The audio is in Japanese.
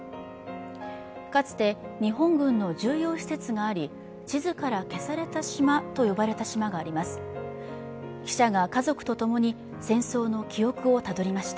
かつて日本軍の重要施設があり地図から消された島と呼ばれた島があります